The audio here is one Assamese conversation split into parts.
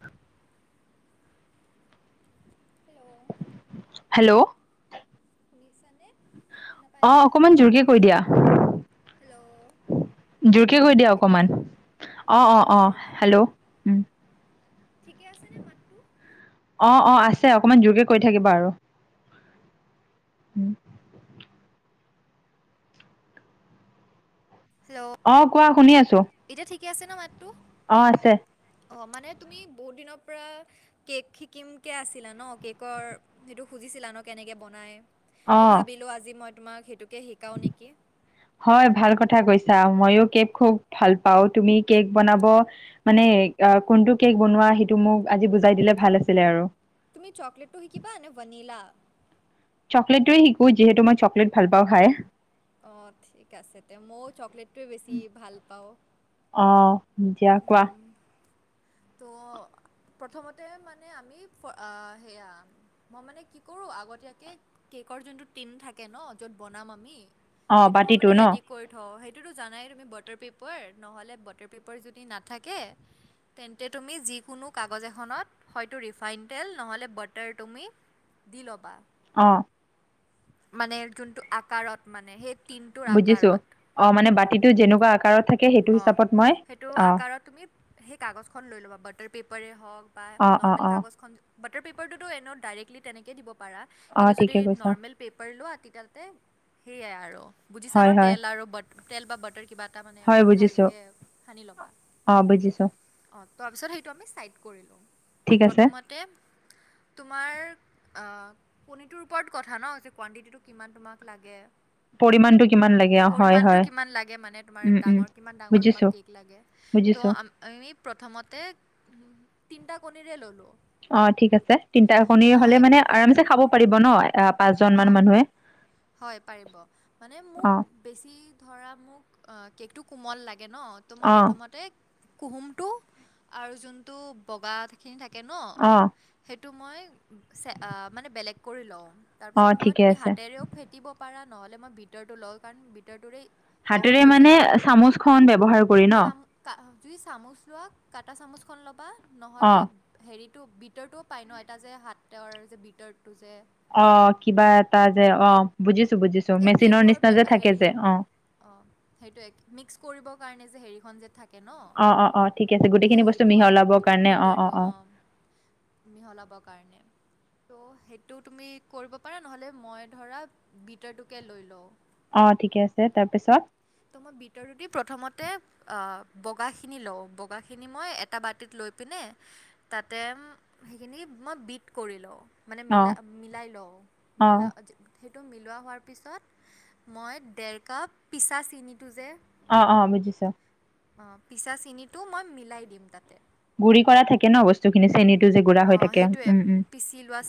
উ [inaudible] হেল্ল' হেল্ল' শুনিছানে শুনা পাই আছা? অকমান জোৰকে কৈ দিয়া হেল্ল' জোৰকে কৈ দিয়া এতিয়া অকমান। অ- অ-অ আচ্ছা ৰ'বা হেল্ল' ঠিকে আছেনে মাতটো? অ-অ আছে অকমান জোৰকে কৈ থাকিবা আৰু। উম হেল্ল' অ কোৱা শুনি আছো। এতিয়া ঠিকে আছে ন মাতটো? অ আছে। অ মানে তুমি বহুত দিনৰ পৰা কেক শিকিমকে আছিলা ন? কেকৰ সেইটো খুজিছিলা ন কেনেকে বনাই? অ তো ভাবিলো আজি মই তোমাক সেইটোকে শিকাও নেকি। হয় ভাল কথা কৈছা। ময়ো কেক খুব ভাল পাও তুমি কেক বনাব মানে কোনটো কেক বনোৱা সেইটো মোক আজি বুজাই দিলে ভাল আছিলে আৰু। তুমি চকলেটটো শিকিবা নে ভেনিলা? চকলেটটোৱে শিকো, যিহেতু মই চকলেট ভাল পাওঁ খাই। অ' ঠিক আছে তে, ময়ো চকলেটটোৱে বেছি ভাল পাওঁ। অ' দিয়া কোৱা। ত' প্ৰথমতে মানে আমি সেয়া মই মানে কি কৰোঁ আগতীয়াকে, কেকৰ জোনটো টিন থাকে ন' য'ত বনাম আমি। অ সেইটো মই বাতিটো মানে ন ৰেডি কৰি থওঁ। সেইটোতো জানাই তুমি বাটাৰ পেপাৰ নহ'লে, বাটাৰ পেপাৰ যদি নাথাকে। তেন্তে তুমি যিকোনো কাগজ এখনত, হয়তো ৰিফাইন তেল নহ'লে বাটাৰ তুমি দি লবা। অ। মানে জোনটো আকাৰত মানে সেই টিনটোৰ বুজিছো, আকাৰত অ' মানে অঁ বাতিটো যেনেকুৱা আকাৰত থাকে সেইটো হিচাপত মই অ'। আৰু তুমি সেই কাগজখন লৈ ল'বা, বাটাৰ পেপাৰে হওঁক বা অ অ নৰ্মেল অ কাগজখন। বাটাৰ পেপাৰটোতো এনেও ডাইৰেক্টলি তেনেকৈেই দিব পাৰা। অ কিন্তু যদি ঠিকে কৈছা নৰ্মেল পেপাৰ লোৱা তেতিয়া তাতে সেয়াই আৰু। বুজিছা হয় ন, হয় তেল আৰু বা, তেল বা বাটৰ কিবা এটা মানে। হয় বুজিছো ভালকে সানি ল'বা। অ বুজিছো অঁ তাৰপিছত সেইটো আমি চাইড কৰিলোঁ, ত' ঠিক আছে প্ৰথমতে তোমাৰ আ' কণীটোৰ ওপৰত কথা ন, যে কোৱণ্টিটিটো কিমান তোমাক লাগে। পৰিমাণটো কিমান লাগে অ হয় পৰিমানটো হয় কিমান লাগে মানে তোমাৰ উম উম ডাঙৰ কিমান ডাঙৰ বুজিছো তোমাক কেক লাগে। ত' বুজিছো আমি প্ৰথমতে, তিনিটা কণীৰে ল'লোঁ। অ' ঠিক আছে, তিনিটা কণী মই হ'লে মানে আৰামছে খাব পাৰিব ন, আ পাঁচজন মান অঁ মানুহে হয় পাৰিব, মানে মোক অ বেছি ধৰা মোক, আ কেকটো কোমল লাগে ন, ত' মই অ প্ৰথমতে কুহুমটো, আৰু যোনটো বগাখিনি থাকে ন'। অ সেইটো মই মানে বেলেগ কৰি লওঁ, অ তাৰপিছত মই ঠিকে তুমি আছে হাতেৰেও ফে টিব পাৰা নহ'লে মই বিতাৰটো লওঁ, কাৰণ বিতাৰটোৰে হাতেৰে মানে চামুচখন ব্যৱহাৰ কৰি ন? চাম কা তুমি চামুচ লোৱা কাটা চামুচখন ল'বা, অ নহ'লে হেৰিটো বিতাৰটোও পায় ন, এটা যে হাতৰ যে বিতাৰটো যে। অ' কিবা এটা যে অ' বুজিছো, বুজিছো, এই মেচিনৰ কেকৰ নিচিনা বে- যে থাকে হেৰি যে অ'। অঁ সেইটো এক, মিক্স কৰিবৰ কাৰণে যে হেৰিখন যে থাক অ', অ', অ' ঠিক আছে গোটেইখিনি বস্তু আৰু মিহিলাবৰ কাৰণে অ' অ' অ'। মিহলাব কাৰণে। ত' সেইটো তুমি কৰিব পাৰা, নহ'লে মই ধৰা বিটাৰটোকে লৈ লওঁ। অ' ঠিকে আছে, তাৰপিছত তোমাক বিতাৰটো দি প্ৰথমতে আ বগাখিনি লওঁ, বগাখিনি মই এটা বাতিত লৈ পিনে তাতে সেইখিনি মই বিট কৰি লওঁ। মানে অ মিলা, মিলাই লওঁ, অ মিলা সেইটো মিল লোৱা হোৱাৰ পিছত, মই ডেৰকাপ পিচা চেনিটো যে অ', অ' বুজিছো। অঁ পিছা চেনীটো মই মিলাই দিম তাতে। গুড়ি কৰা থাকে ন বস্তুখিনি, চেনীতো যে গুড়া হৈ থাকে। উম, উম।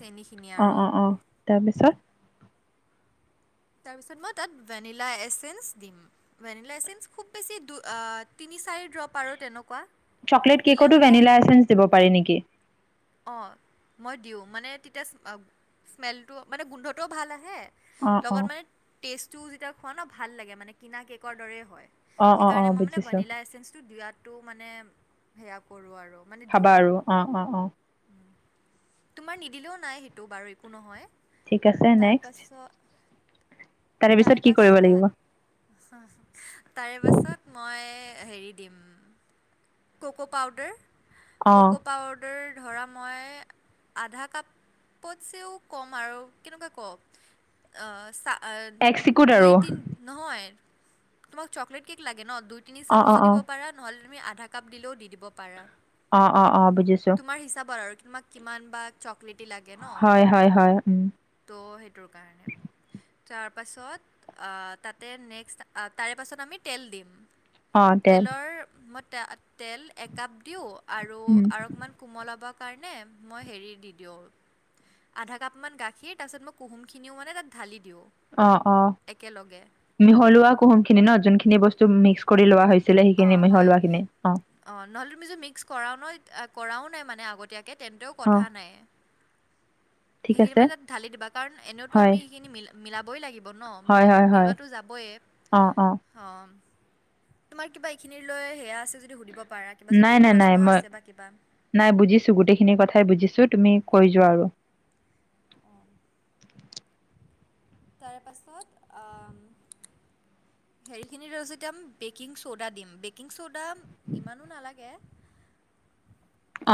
চেনীখিনি অ আৰু। অ অ তাৰপিছত? তাৰপিছত মই তাত ভেনিলা এচেঞ্চ দিম। ভেনিলা এচেঞ্চ খুব বেচি দুই আ তিনি চাৰি ড্ৰপ আৰু তেনেকুৱা। চকলেট দিলে কেকতো মানে ভেনিলা এচেঞ্চ দিব পাৰি নেকি? অ মই দিওঁ, মানে তেতিয়া স্মে-স্মেলটো মানে গোন্ধটোও ভাল আহে। অ অ লগত মানে টেষ্টটো যেতিয়া খোৱা ন ভাল লাগে মানে কিনা কেকৰ দৰেই হয়। অ অ অ সেইকাৰণে মই মানে বুজিছো ভেনিলা এচেঞ্চটো দিয়াত টো মানে সেয়া কৰোঁ আৰু মানে দিওঁ আৰু। অ' অ'। তোমাৰ নিদিলেও নাই সেইটো বাৰু একো নহয়। ঠিক আছে, নেক্সট? তাৰপাছত পিছত তাৰে কি কৰিব লাগিব পাছত তাৰে পাছত মই হেৰি দিম। ক'ক পাউদাৰ অ ক'ক পাউদাৰ ধৰা মই আধা কাপতছেও কম আৰু কেনেকুৱা কপ অ চাহ এগ চিকুট আৰু দুই-তিন নহয় তোমাক চকলেট কেক লাগে ন? দুই-তিনি অ অ চামুচো অ দিব পাৰা। নহ'লে তুমি আধা কাপ দিলেও দি দিব পাৰা। অ-অ-অ বুজিছো। তোমাৰ হিচাবৰ আৰু তোমাক কিমান বা চকলেটি লাগে ন? হয় হয় হয় উম ত' সেইতোৰ কাৰনে। তাৰ পাছত তাতে নেক্সট তাৰে পাছত আমি তেল দিম। অ তেল তেলৰ মই তা তেল একাপ দীও, আৰু উম আৰু অকমান কোমলাবৰ মই হেৰি দি দিওঁ। আধা কাপমান গাখীৰ তাৰপিছত মই কুহুমখিনিও মানে তাত ঢালি দিওঁ। অ অ একেলগে মিহলোৱা কুহুম খিনি ন যোনখিনি বস্তু মিক্স কৰি লোৱা হৈছিলে সেইখিনি মিহলোৱা খিনি অ। অ নহ'লে তুমি যে মিক্স কৰাও নই এ কৰাও নাই মানে আগতীয়াক তেন্তেও অ' কথা নাই। ঠিক সেইখিনি আছে মানে তাত ঢালি দিবা কাৰণ এনেওতো হয় আমি সেইখিনি মিল মিলাবই লাগি ব ন, হয় হয় হয় মিল-মিলোৱাটো যাবয়ে, অ। তোমাৰ কিবা এইখিনি লৈ সেয়া আছে যদি সুধিব পাৰা কিবা নাই যদি নাই নাই প্ৰশ্ন মই আছে বা কিবা। নাই বুজিছো, গোটেইখিনি কথাই বুজিছো তুমি কৈ যোৱা আৰু। অ। তাৰপাছত আ [unintelligible] বেকিং চ'ডা দিম, বেকিং চ'ডা ইমানো নালাগে।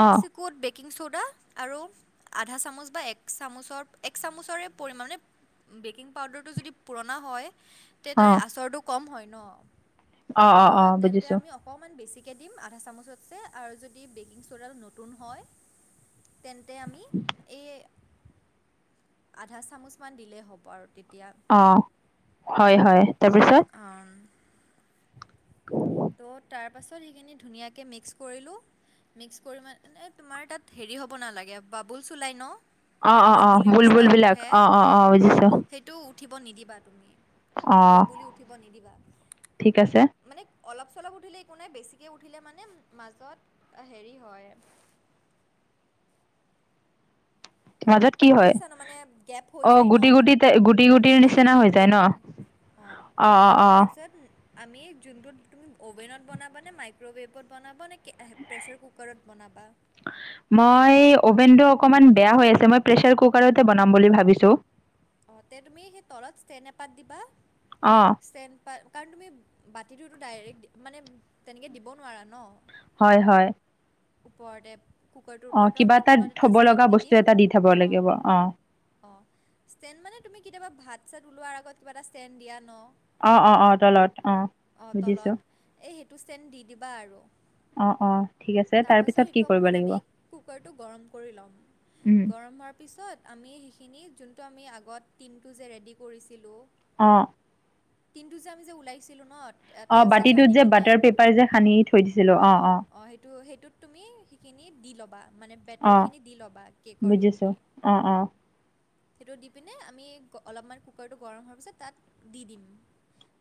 এক অ' চিকুট বেকিং চ'ডা আৰু আধা চামুচ বা এক চামুচৰ এক চামুচৰে পৰিমাণ মানে বেকিং পাউডাৰটো যদি পুৰণা হয় তে তাৰে অ' আচৰটো কম হয় ন, অ' অ' অ' ত তেন্তে বুজিছোঁ আমি অ অকণমান বেছিকে দিম আধা চামুচতকে আৰু যদি বেকিং চ'ডাল নতুন হয়, তেন্তে আমি, এই আধা চামুচমান দিলেই হ'ব আৰু তেতিয়া অ হয় হয় তাৰপিছত? অ উম, ত' তাৰপাছত সেইখিনি ধুনীয়াকে মিক্স কৰিলোঁ - মিক্স কৰি মানে তোমাৰ তাত হেৰি হ'ব নালাগে বাবুলচ ওলাই ন। অ' অ' অ' বুলবুলিৰ নিচিনা বুলবুলবিলাক উঠে, অ' অ, বুজিছোঁ সেই টো উঠিব নিদিবা তুমি, অ' বুলবুলি উঠিব নিদিবা। ঠিক আছে মানে অলপ চলপ উঠিলে একো নাই, বেছিকে উঠিলে মানে মাজত আ হেৰি হয় - মাজত কি হয়? বুজিছা ন মানে গেপ হৈ অ যায় ন গুটি গুটি টে গুটি তোমাৰ গুটিৰ মাজত নিচিনা ধোন হৈ যায় কেক ন? নাথাকে অঁ, অ' অ' অ' তাৰপিছত - আমি যোনটোত তুমি অ'ভেনত বনাবানে, মাইক্ৰ'ৱেভত বনাবনে, কে প্ৰেছাৰ কুকাৰত বনাবা? মই অভেনটো অকণমান বেয়া হৈ আছে, মই প্ৰেছাৰ কুকাৰতে বনাম বুলি ভাবিছো। অঁ, তে তুমি হে তলত ষ্টেণ্ড এপাত দিবা, অঁ ষ্টেণ্ড পা, কাৰণ তুমি বাতিটোতো ডাইৰেক্ট মানে তেনেকে দিব নোৱাৰা ন। হয় হয়। ওপৰতে। কুকাৰটোৰ অ, ওপৰতো কিবা আমি এটা তলত থব ষ্টেণ্ড লগা বস্তু এটা দি থব লাগিব অ। অ, ষ্টেণ্ড মানে তুমি কেতিয়াবা ভাত চাত ওলোৱাৰ আগত কিবা এটা ষ্টেণ্ড দিয়া ন। অ অ অ তলত অ, অঁ বুজিছো। তলত এই সেইটো ষ্টেণ্ড দি দিবা আৰু। অ অ। তাৰপাছত এইটো অকণমান আমি কুকাৰটো গৰম কৰি ল'ম। উম, গৰম হোৱাৰ - পিছত আমি সেইখিনি যোনটো আমি আগত টিমটো যে ৰেডি কৰিছিলোঁ। অঁ। টিনটো যে আমি যে ওলাইছিলোঁ নত। অ, বাতিটোত যে বাটাৰ পেপাৰ যে সানি থৈ দিছিলো অ অ। তো সেইটোত তুমি সেইখিনি দি ল'বা মানে বেটাৰখিনি দি ল'বা কেকৰ সেইখিনি। অ অ। সেইটো দি পিনে আমি ক অলপমান কুকাৰটো গৰম হোৱাৰ পিছত তাত দি দিম।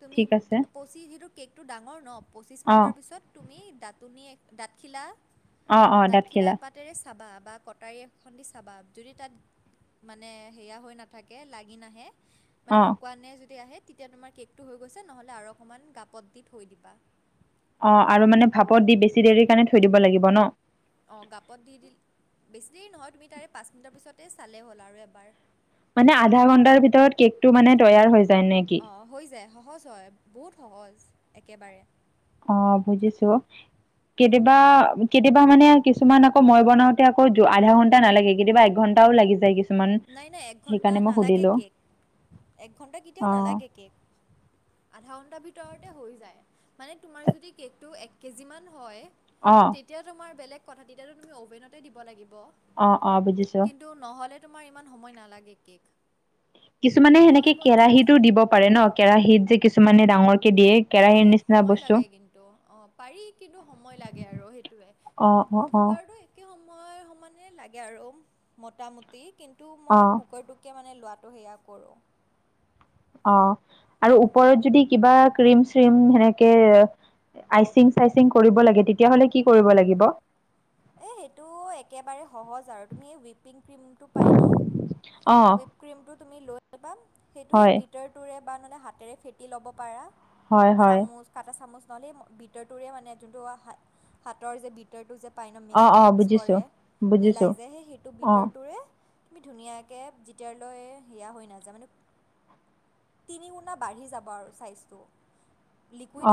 তুমি ঠিক আছে পঁচি যিহেতু কেকটো ডাঙৰ ন পঁচিছ অঁ মিনিটৰ পিছত - তুমি দাঁতুনী, দাঁতখিলা অঁ অঁ দাঁতখিলা এপাত - তেৰে চাবা বা কটাৰী এখন দি চাবা, যদি তাত - মানে সেয়া হৈ নাথাকে লাগি নাহে, মানে অঁ শুকোৱানে যদি আহে - তেতিয়া তোমাৰ কেকটো হৈ গৈছে, নহ'লে আৰু অকণমান গাপত দি থৈ দিবা। অ, আৰু মানে ভাপত দি বেছি দেৰি কাৰণে থৈ দিব লাগিব ন? অ, গাপত দি দিল বেছি দেৰি নহয় তুমি তাৰে পাঁচ মিনিটৰ পিছতে চালে হ'ল আৰু এবাৰ। মানে আধা ঘণ্টাৰ ভিতৰত কেক টো মানে তৈয়াৰ হৈ যায় নেকি? অ, হৈ যায় সহজ হয় বহুত সহজ একেবাৰে। অ, বুজিছো। কেতিয়াবা কেতিয়াবা মানে কিছুমান আকৌ মই বনাও তে আকৌ আধা ঘণ্টা নালাগে কেতিয়াবা একঘণ্টাও লাগি যায় কিছুমান। নাই নাই একঘণ্টা সেইকাৰণে মই নালাগে সুধিলো কেক, একঘণ্টা কেতিয়াও অ নালাগে কেক। আধা ঘন্টা ভিতৰতে হৈ যায়, মানে তোমাৰ যদি কেকটো এক - কেজিমান হয়। অ। তেতিয়া তোমাৰ বেলেগ কথা তেতিয়াতো তুমি অ'ভেনতে দিব লাগিব। অ অ বুজিছো। কিন্তু নহ'লে তোমাৰ ইমান সময় নালাগে কেক। কিছুমানে মই সেনেকে বন কেৰাহীতো দিব পাৰে ন? কেৰাহীত যে কিছুমানে ডাঙৰ কে দিয়ে। কেৰাহীৰ কেৰাহীত নিচিনা সময় বস্তু লাগে কিন্তু, অ পাৰি কিন্তু সময় লাগে আৰু সেইটোৱে। অ অ অ। কুকাৰটো একে সময় সমানে লাগে আৰু মোটামুটি কিন্তু অ মই কুকাৰটো টোকে মানে লোৱাটো সেয়া কৰোঁ। অ আৰু ওপৰত যদি কিবা ক্ৰীম চ্ৰীম সেনেকে আইচিং চাইচিং কৰিব লাগে তেতিয়াহলে কি কৰিব লাগিব? এই সেইটো একেবাৰে সহজ আৰু তুমি হুইপিং ক্ৰীম টো পায় ন? অ হুইপ ক্ৰীমটো তুমি লৈ আনিবা সেইটোৱে হয় ব্ৰীটাৰ টোৰে বা নে হাতেৰে ফেটি লব পাৰা হয় হয় চামুছ কাটা চামুচ ন'হলে ব্ৰীটাৰটোৰে মানে যোনটো হাত হাতৰ যে ব্ৰীটাৰটো যে পাই ন মিচ অ অ মিক্স বুজিছো কৰে বুজিছো মিলাই যে সেই সেইটো অ ব্ৰীটাৰটোৰে তুমি ধুনীয়াকে যেতিয়াৰলৈ হেয়া হৈ নাযায় মানে তিনি গুণা বাঢ়ি যাব আৰু ছাইজটো।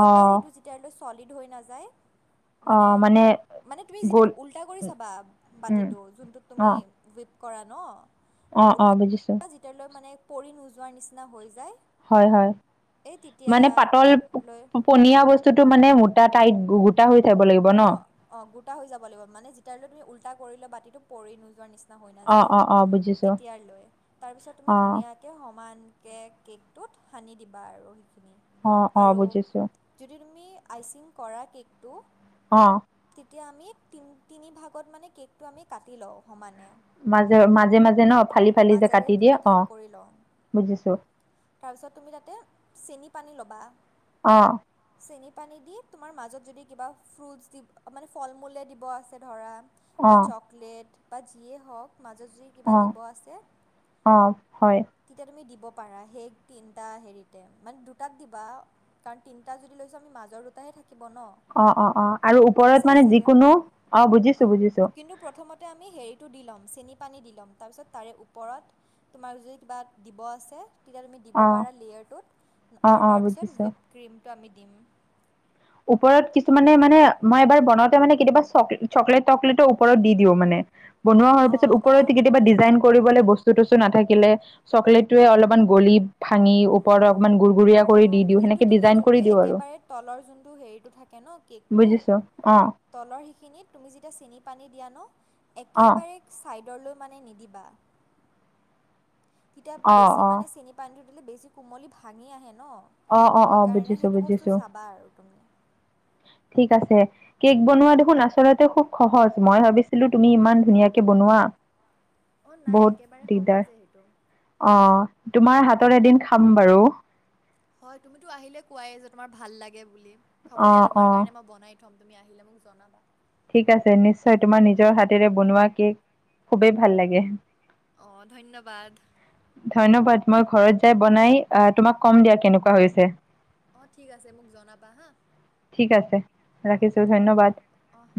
অ পৰা সেইটো যেতিয়ালৈ ছলিড হৈ নাযায়। অ মানে মানে তুমি গ'ল যেতিয়া উল্টা কৰি উ, চাবা উম বাতিটো যোনটোত অ তুমি হুইপ কৰা ন অ অ বুজিছো। তে লৈ মানে পৰি নোযোৱাৰ নিচিনা হৈ যায়। হয়, হয় এই মানে পাতল তেতিয়ালৈ পনীয়া বস্তুটো মানে মোটা টাইত গোটা হৈ যাব লাগিব ন অ, অ গোটা হৈ যাব লাগিব মানে যেতিয়াৰলৈ তুমি উল্টা কৰি লোৱা বাতিটো পৰি নোযোৱাৰ নিচ না হৈ অ নাযায় অ অ বুজিছো তেতিয়াৰলৈ তাৰপিছত তুমি অ ধুনীয়াক কে সমানকে কেকটোত সানি দিবা আৰু সেই খিনি অ অ বুজিছো। যদি তুমি আইচিং কৰা কেকটো অ তেতিয়া আমি তিন তিনিভাগত মানে কেকটো আমি কাটি লওঁ সমানে। মাজে, মাজে মাজে ন অঁ ফালি ফালি যে মাজেৰে কাটি তিনি দিয়ে অ ভাগ কৰি লওঁ বুজিছো। তাৰপিছত তুমি তাতে চেনি পানী ল'বা। অ চেনি পানী দি তোমাৰ মাজত যদি কিবা ফ্ৰুটছ দি মানে ফল মূলে দিব আছে ধৰা অ বা চকলেট বা যিয়ে হওক মাজত যদি কিবা অ দিব আছে অ হয় তেতিয়া তুমি দিব পাৰা সেইক তিনটা হেৰিতে মানে দুটাক দিবা কাৰণ তিনটা যদি লৈছে আমি মাজৰ দুটাহে থাকিব ন অ অ অ আৰু বুজি ওপৰত চাই মানে চাগে যিকোনো অ বুজিছো অঁ বুজিছো কিন্তু প্ৰথমত তে আমি হেৰিটো দি ল'ম চেনি পানী দি ল'ম তাৰপিছত তাৰে ওপৰত তোমাৰ যদি কিবা দিব আছে তেতিয়া তুমি দিব অ পাৰা লেয়াৰটোত অ আৰু অ তাৰপিছত বুজিছো হুইপ ক্ৰীমটো আমি দিম ওপৰত কিছুমানে মানে মই এবাৰ বনাওঁতে মানে কেতিয়াবা চক চকলেট টকলেটৰ ওপৰত দি দিওঁ মানে বনোৱা হোৱাৰ অঁ পিছত অঁ ওপৰতে কেতিয়াবা ডিজাইন কৰিবলৈ বস্তু তস্তু নাথাকিলে চকলেটটোৱে অলপমান গলি ভাঙি ওপৰত অকমান গু গুৰিয়া অঁ কৰি অঁ দি দিওঁ কিন্তু সেনেকে তুমি ডিজাইন যোনটো কৰি দি দিওঁ আৰু একেবাৰে তলৰ যোনটো হেৰিটো থাকে ন কেকটো বুজিছো অ তলৰ সিখিনিত তুমি যেতিয়া চেনি পানী দিয়া ন অ একেবাৰে চাইডলৈ মানে নিদিবা তেতিয়া অ বেছি অ মানে চেনি পানীটো দিলে বেছি কোমলি ভাঙি আহে ন অ অ অ সেইকাৰণে বুজিছো সেইটো বস্তু বুজিছো চাবা আৰু তুমি। ঠিক আছে। কেক বনোৱা দেখোন আচলতে খুব সহজ মই ভাবিছিলো তুমি ইমান ধুনীয়াকে বনোৱা। অঁ নাই একেবাৰে বহুত সহজে দিগদাৰ সেইটো অ' তোমাৰ হাতৰ এদিন খাম বাৰু। হয়, তুমিটো আহিলে কোৱাই যে তোমাৰ ভাল লাগে বুলি হ'ব অ দিয়া অ তোমাৰ কাৰণে মই বনাই থম তুমি আহিলে মোক জনাবা। ঠিক আছে। নিশ্চয় তোমাৰ নিজৰ হাতেৰে বনোৱা কেক খুবেই ভাল লাগে। অ' ধন্যবাদ। ধন্যবাদ মই ঘৰত যাই বনাই এ তোমাক কম দিয়া কেনেকুৱা হৈছে। অ' ঠিক আছে মোক জনাবা হা। ঠিক আছে। অহ ৰাখিছোঁ দিয়া ধন্যবাদ অহ।